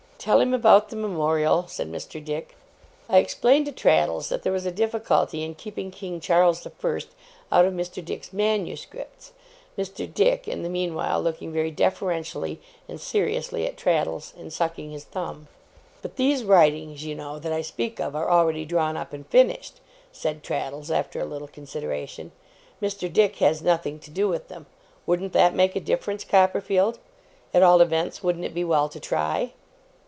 'Tell him about the Memorial,' said Mr. Dick. I explained to Traddles that there was a difficulty in keeping King Charles the First out of Mr. Dick's manuscripts; Mr. Dick in the meanwhile looking very deferentially and seriously at Traddles, and sucking his thumb. 'But these writings, you know, that I speak of, are already drawn up and finished,' said Traddles after a little consideration. 'Mr. Dick has nothing to do with them. Wouldn't that make a difference, Copperfield? At all events, wouldn't it be well to try?